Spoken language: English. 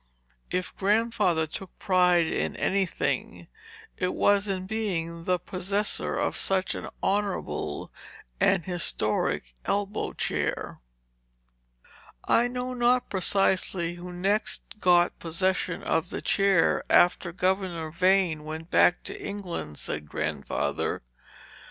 If Grandfather took pride in any thing, it was in being the possessor of such an honorable and historic elbow chair. "I know not precisely who next got possession of the chair, after Governor Vane went back to England," said Grandfather.